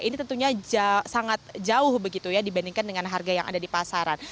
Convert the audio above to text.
ini tentunya sangat jauh begitu ya dibandingkan dengan harga yang ada di pasaran